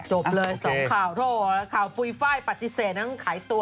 จบเลย๒ข่าวข่าวปุยไฟล์ปัจจิเสรที่ต้องขายตัว